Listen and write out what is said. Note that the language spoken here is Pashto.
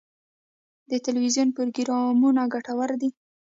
د تلویزیون پروګرامونه ګټور دي.